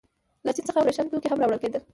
له چین څخه ورېښم توکي هم راوړل کېدل.